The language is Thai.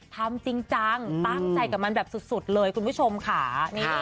ทำจริงจังตั้งใจกับมันแบบสุดเลยคุณผู้ชมค่ะ